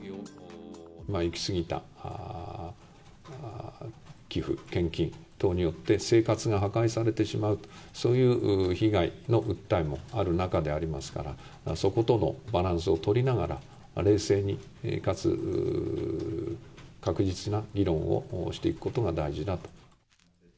行き過ぎた寄付・献金等によって生活が破壊されてしまう、そういう被害の訴えもある中でありますから、そことのバランスを取りながら、冷静にかつ確実な議論をしていくことが大事だと。